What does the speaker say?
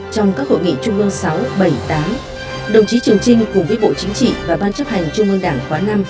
trong các hội nghị trung ương sáu bảy tám đồng chí trường trinh cùng với bộ chính trị và ban chấp hành trung ương đảng khóa năm